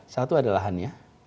satu ada lahannya